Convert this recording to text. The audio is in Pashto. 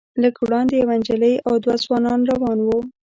لږ وړاندې یوه نجلۍ او دوه ځوانان روان وو.